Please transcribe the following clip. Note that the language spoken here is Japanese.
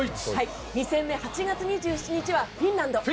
２戦目、８月２７日はフィンランド。